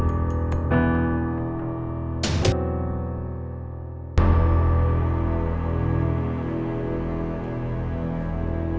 malin jangan lupa